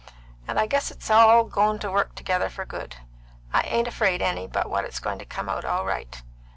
"And I guess it's all goin' to work together for good. I ain't afraid any but what it's goin' to come out all right.